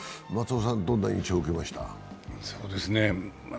どんな印象を受けました？